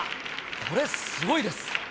これすごいです。